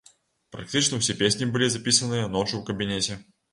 Практычна ўсе песні былі запісаныя ноччу ў кабінеце.